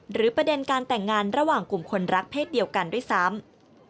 ประเด็นการแต่งงานระหว่างกลุ่มคนรักเพศเดียวกันด้วยซ้ำ